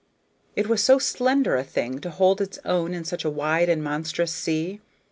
It was so slender a thing to hold its own in such a wide and monstrous sea.